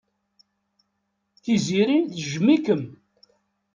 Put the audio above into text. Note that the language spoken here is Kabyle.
Tiziri tejjem-ikem.